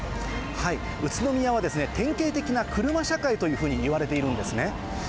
宇都宮は典型的な車社会というふうにいわれているんですね。